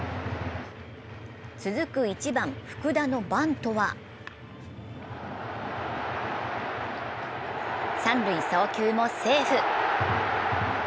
続く１番・福田のバントは三塁送球もセーフ！